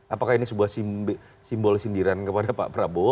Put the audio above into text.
apakah ini sebuah simbol sindiran kepada pak prabowo